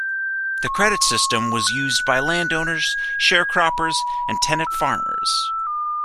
The credit system was used by land owners, sharecroppers and tenant farmers.